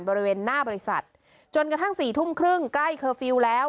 บริเวณหน้าบริษัทจนกระทั่งสี่ทุ่มครึ่งใกล้เคอร์ฟิลล์แล้ว